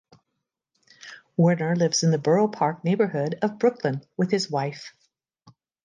Werner lives in the Borough Park neighborhood of Brooklyn with his wife.